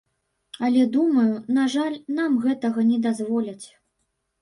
Але, думаю, на жаль, нам гэтага не дазволяць.